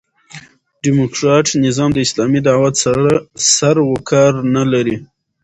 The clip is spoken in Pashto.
ډيموکراټ نظام د اسلامي دعوت سره سر و کار نه لري.